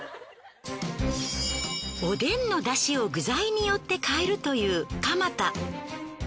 おでんの出汁を具材によって変えるというかま田。